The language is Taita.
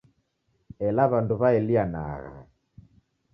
Ela w'andu waelianagha.